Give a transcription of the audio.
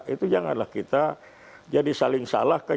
itu janganlah kita jadi saling salahkan